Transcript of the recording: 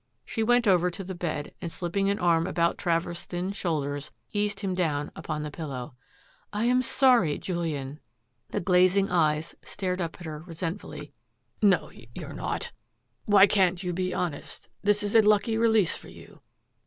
She went over to the bed, and slipping an arm about Travers' thin shoulders, eased him down upon the pillow. " I am sorry, Julian." The glazing eyes stared up at her resentfully. "No, you're not! Why can't you be honest? This is a lucky release for you.